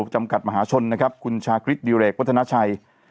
จำกัดมหาชนนะครับคุณชาคริสดิเรกวัฒนาชัย